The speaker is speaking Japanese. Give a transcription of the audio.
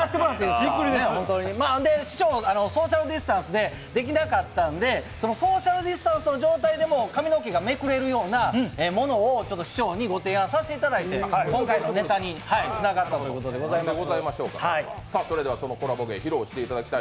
師匠ソーシャルディスタンスでできなかったんでソーシャルディスタンスの状態で髪の毛がめくれるようなものを師匠にご提案させていただいて今回のネタにつながったということでございます。